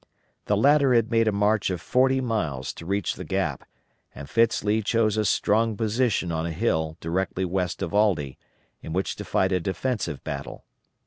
The latter had made a march of forty miles to reach the Gap, and Fitz Lee chose a strong position on a hill directly west of Aldie, in which to fight a defensive battle.